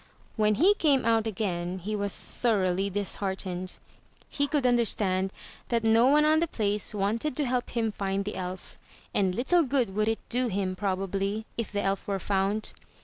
When he came out again he was thoroughly disheartened. He could understand that no one on the place wanted to help him find the elf. And little good would it do him, probably, if the elf were found!